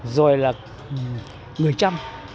rồi là người trăm